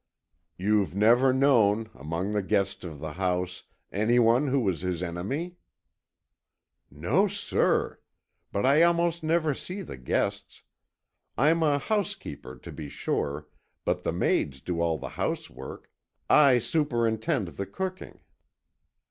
"You've never known, among the guests of the house, any one who was his enemy?" "No, sir. But I almost never see the guests. I'm housekeeper, to be sure, but the maids do all the housework. I superintend the cooking."